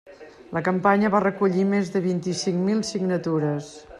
La campanya va recollir més de vint-i-cinc mil signatures.